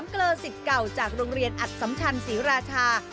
เกลอสิทธิ์เก่าจากโรงเรียนอัดสัมชันศรีราชา